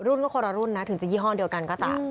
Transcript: รุ่นก็คนละรุ่นนะถึงจะยี่ห้อเดียวกันก็ตาม